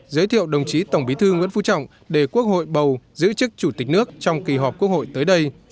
giới thiệu đồng chí tổng bí thư nguyễn phú trọng để quốc hội bầu giữ chức chủ tịch nước trong kỳ họp quốc hội tới đây